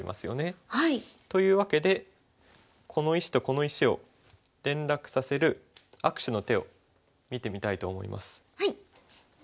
というわけでこの石とこの石を連絡させる握手の手を見てみたいと思います。